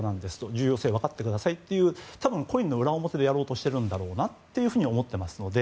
重要性分かってくださいというコインの裏表でやろうとしているんだろうなと思っていますので。